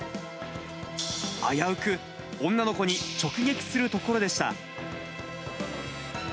危うく女の子に直撃するところでした。